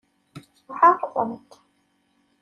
Ɛerḍemt!